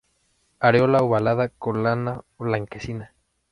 Areola ovalada con lana blanquecina.